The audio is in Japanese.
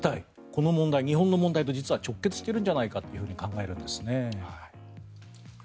この問題、日本の問題と直結しているんじゃないかと考えられるんですね。